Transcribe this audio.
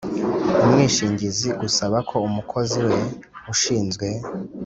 Umwishingizi gusaba ko umukozi we ushinzwe